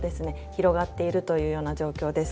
広がっているというような状況です。